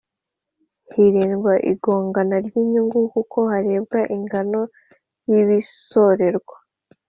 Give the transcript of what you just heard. Hirindwa igongana ry’inyungu kuko harebwa ingano y’ibisorerwa